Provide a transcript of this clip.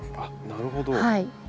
なるほど。